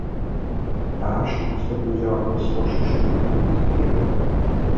তার সমস্ত পূজা অতলস্পর্শ শূন্যতার মধ্যে গিয়ে পড়ে।